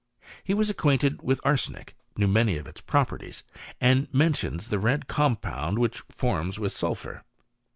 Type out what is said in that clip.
He was acquainted with arsenic, knew, many of its properties, and mentions the red compound Which it forms with sulphur.